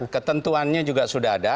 ketentuannya juga sudah ada